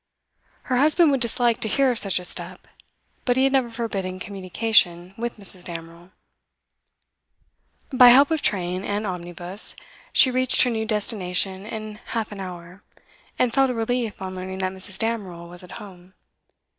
Her husband would dislike to hear of such a step, but he had never forbidden communication with Mrs. Damerel. By help of train and omnibus she reached her new destination in half an hour, and felt a relief on learning that Mrs. Damerel was at home.